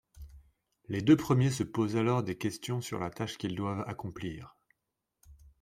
Les deux premiers se posent alors des questions sur la tâche qu’ils doivent accomplir.